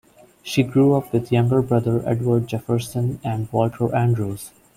She grew up with younger brothers Edward Jefferson and Walter Andrews.